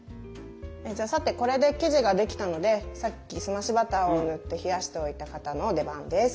さてこれで生地ができたのでさっき澄ましバターを塗って冷やしておいた型の出番です。